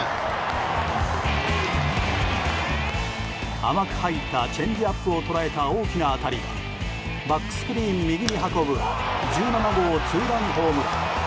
甘く入ったチェンジアップを捉えた大きな当たりはバックスクリーン右に運ぶ１７号ツーランホームラン。